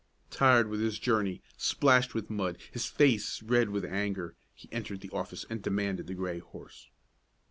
Tired with his journey, splashed with mud, his face red with anger, he entered the office and demanded the gray horse.